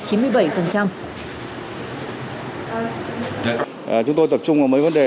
chúng tôi tập trung vào mấy vấn đề